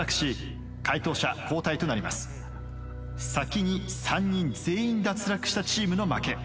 先に３人全員脱落したチームの負け。